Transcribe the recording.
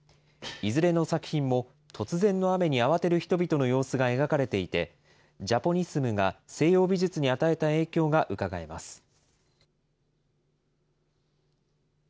いずれの作品も、突然の雨に慌てる人々の様子が描かれていて、ジャポニスムが西洋美術に与えた影響がうかがえます。